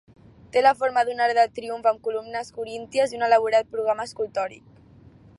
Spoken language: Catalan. Té la forma d'un arc de triomf amb columnes corínties i un elaborat programa escultòric.